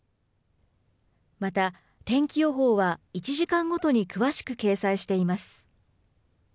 また、天気予報は１時間ごとに詳しく掲載しています。